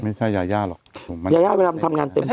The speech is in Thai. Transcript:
ไม่ใช่ยายาหรอกยายาเวลามันทำงานเต็มที่น่ะ